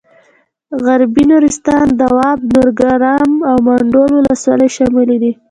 غربي نورستان دواب نورګرام او منډول ولسوالۍ شاملې دي.